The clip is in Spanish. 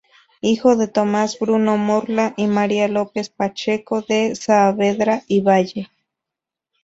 Hijo de Tomás Bruno Morla y María López Pacheco de Saavedra y Valle.